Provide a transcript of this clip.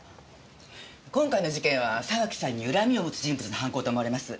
今回の事件は沢木さんに恨みを持つ人物の犯行と思われます。